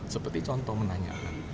seperti contoh menanyakan